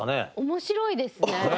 面白いですね。